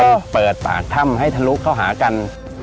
เปิดปากถ้ำให้ทะลุเข้าหากัน